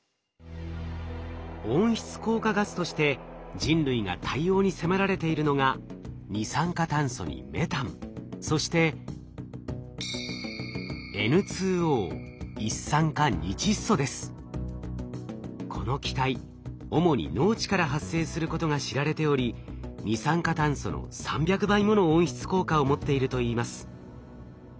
温室効果ガスとして人類が対応に迫られているのが二酸化炭素にメタンそしてこの気体主に農地から発生することが知られており二酸化炭素の３００倍もの温室効果を持っているといいます。